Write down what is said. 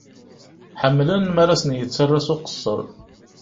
Ḥemmlen mi ara sen-d-yettara s uqesser.